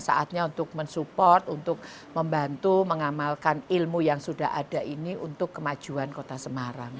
saatnya untuk mensupport untuk membantu mengamalkan ilmu yang sudah ada ini untuk kemajuan kota semarang